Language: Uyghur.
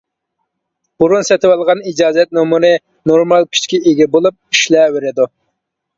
بۇرۇن سېتىۋالغان ئىجازەت نومۇرى نورمال كۈچكە ئىگە بولۇپ ئىشلەۋېرىدۇ.